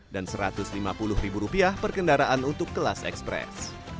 dan rp satu ratus lima puluh per kendaraan untuk kelas ekspres